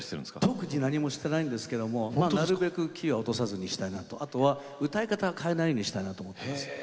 特に何もしてないんですけどなるべくキーを落とさずにしたいなと歌い方も変えないようにしたいなと思っています。